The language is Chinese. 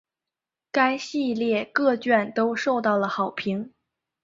该系列各卷都受到了好评。